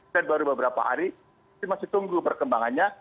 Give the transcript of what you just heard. dan baru beberapa hari masih tunggu perkembangannya